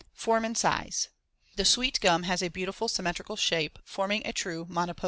Form and size: The sweet gum has a beautiful symmetrical shape, forming a true monopodium.